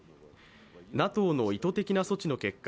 ＮＡＴＯの意図的な措置の結果